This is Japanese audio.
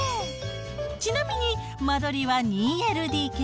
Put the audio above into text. ちなみに間取りは２ＬＤＫ。